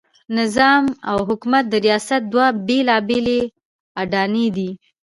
نظام او حکومت د ریاست دوه بېلابېلې اډانې دي.